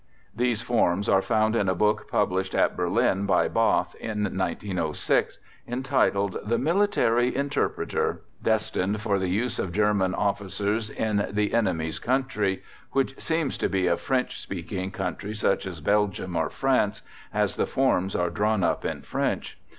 These forms are found in a book published at Berlin by Bath, in 1906, entitled "The Military Interpreter," destined for the use of German officers "in the enemy's country," which seems to be a French speaking country such as Belgium or France, as the forms are drawn up in French.